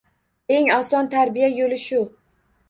Eng oson tarbiya yo`li shu